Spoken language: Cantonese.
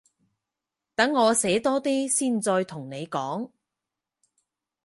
等我寫多啲先再同你講